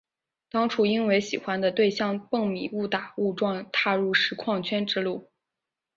当初因为喜欢的对象蹦米误打误撞踏入实况圈之路。